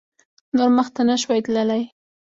نور مخته نه شوای تللای.